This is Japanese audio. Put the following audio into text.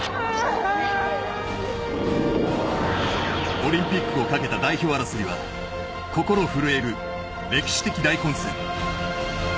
オリンピックをかけた代表争いは心震える歴史的大混戦。